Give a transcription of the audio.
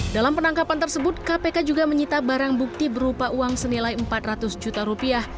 dalam penangkapan tersebut kpk juga menyita barang bukti berupa uang senilai empat ratus juta rupiah